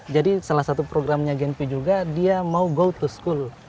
jadi salah satu programnya genpi juga dia mau go to school